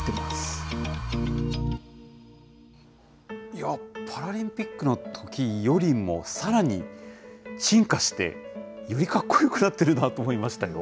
いや、パラリンピックのときよりも、さらに進化して、よりかっこよくなってるなと思いましたよ。